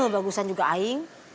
bagusan juga aing